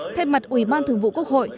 thay mặt ủy ban thường vụ quốc hội